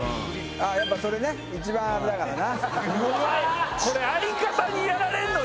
やっぱそれね一番あれだからな。